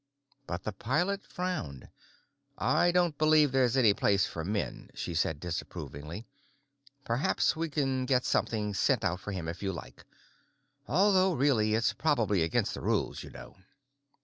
But the pilot frowned. "I don't believe there's any place for men," she said disapprovingly. "Perhaps we can get something sent out for him if you like. Although, really, it's probably against the rules, you know."